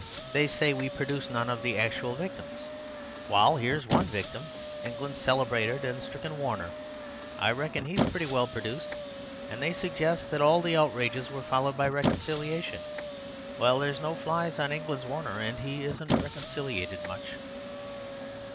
They say we produce none of the actual victims. Wal, here is one victim—England's celebrated and stricken Warner. I reckon he is pretty well produced. And they suggest that all the outrages were followed by reconciliation. Wal, there's no flies on England's Warner; and he isn't reconciliated much."